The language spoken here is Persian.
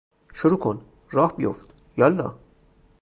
شروع کن!، راه بیفت!، یاالله!